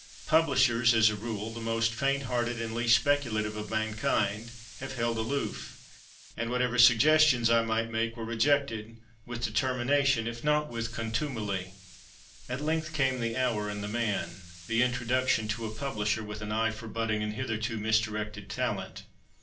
Publishers as a rule, the most faint hearted and least speculative of mankind have held aloof. And whatever suggestions I might make were rejected, with determination, if not with contumely. At length came the hour, and the man; the introduction to a publisher with an eye for budding and hitherto misdirected talent.